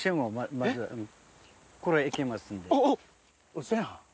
ウソやん。